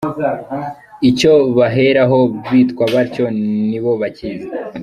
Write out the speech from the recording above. Icyo baheraho bitwa batyo nibo bakizi.